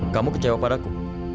kamu kecewa padaku